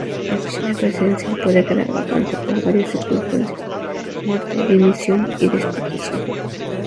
La oficina presidencial puede quedar vacante por varias circunstancias: muerte, dimisión y destitución.